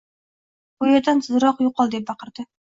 Bu yerdan tezroq yo’qol deb baqirdi.